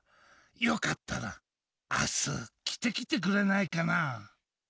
よかったら明日着てきてくれないかな？